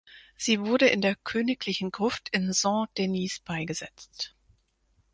Sie wurde in der königlichen Gruft in Saint-Denis beigesetzt.